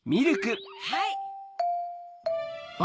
はい。